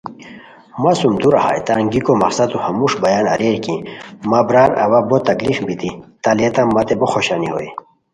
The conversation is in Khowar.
مہ سُم دورہ ہائے تان گیکو مقصدو ہموݰ بیان اریرکی مہ برار اوا بو تکلیف بیتی تہ لیتام متے بو خوشانی ہوئے